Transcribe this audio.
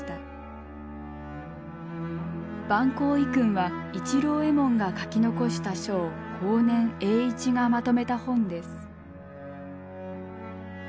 「晩香遺薫」は市郎右衛門が書き残した書を後年栄一がまとめた本です。